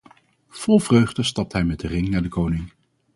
Vol vreugde stapte hij met de ring naar de koning